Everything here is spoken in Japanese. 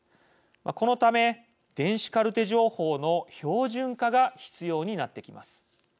このため、電子カルテ情報の標準化が必要になってきます。